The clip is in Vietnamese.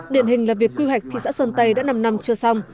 điện hình là việc quy hoạch thị xã sơn tây đã năm năm chưa xong